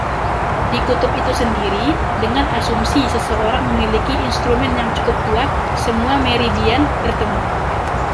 Di kutub itu sendiri, dengan asumsi seseorang memiliki instrumen yang cukup akurat, semua meridian bertemu.